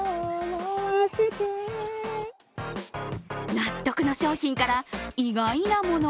納得の商品から意外なもの。